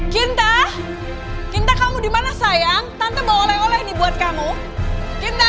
kinta kinta kamu dimana sayang tante bawa oleh oleh ini buat kamu kinta